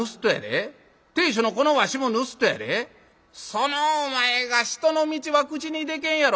そのお前が『人の道』は口にでけんやろ」。